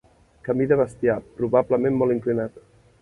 Camí de bestiar, probablement molt inclinat.